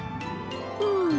うん！